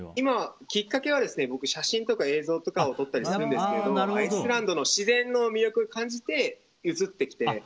きっかけは僕、写真とか映像を撮ったりするんですけどアイスランドの自然の魅力を感じて、移ってきて。